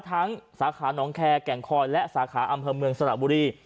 สาขาน้องแคร์แก่งคอยและสาขาอำเภอเมืองสระบุรี